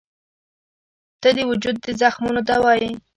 • ته د وجود د زخمونو دوا یې.